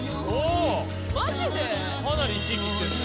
かなり生き生きしてるね。